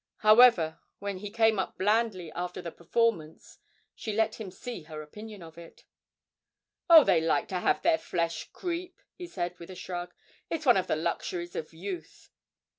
However, when he came up blandly after the performance she let him see her opinion of it. 'Oh, they like to have their flesh creep,' he said with a shrug; 'it's one of the luxuries of youth.'